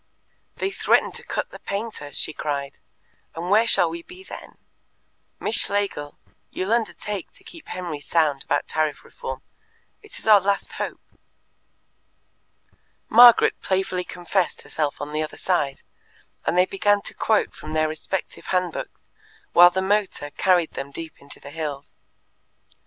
"They threaten to cut the painter," she cried, "and where shall we be then? Miss Schlegel, you'll undertake to keep Henry sound about Tariff Reform? It is our last hope." Margaret playfully confessed herself on the other side, and they began to quote from their respective hand books while the motor carried them deep into the hills.